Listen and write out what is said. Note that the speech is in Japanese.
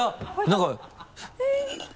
何か。